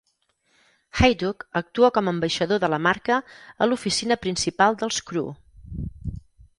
Hejduk actua com "ambaixador de la marca" a l'oficina principal dels Crew.